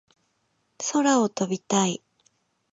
空を飛びたい